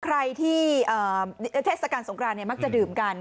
ใครที่เทศกาลสงครานมักจะดื่มกัน